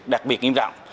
đặc biệt nghiêm trọng